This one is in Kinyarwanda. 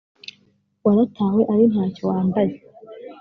waratawe ari nta cyo wambaye